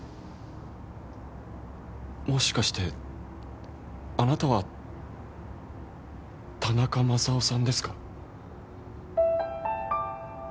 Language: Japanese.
もしかしてあなたは田中マサオさんですか？